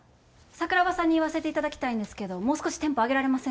桜庭さんに言わせていただきたいんですけどもう少しテンポ上げられませんか？